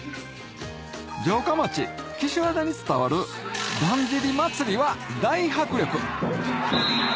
城下町岸和田に伝わるだんじり祭りは大迫力！